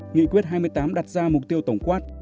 nghị quyết hai mươi tám đặt ra mục tiêu tổng quát